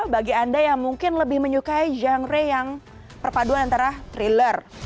bagi anda yang mungkin lebih menyukai genre yang perpaduan antara thriller